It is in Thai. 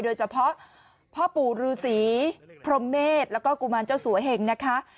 โดยเฉพาะพ่อปู่ฤษีพรมเมษแล้วก็กุมารเจ้าสัวเหงนะคะ